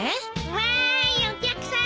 わーいお客さん